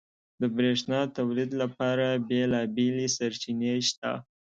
• د برېښنا تولید لپاره بېلابېلې سرچینې شته.